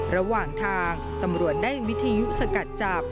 ระหว่างทางตำรวจได้วิทยุสกัดจับ